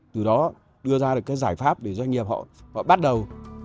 từ đó đưa ra được cái giải pháp để doanh nghiệp họ bắt đầu